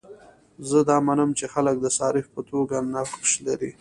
زه دا منم چې خلک د صارف په توګه نقش لري.